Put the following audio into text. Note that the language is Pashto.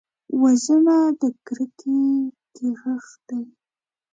وژنه د کرکې کښت دی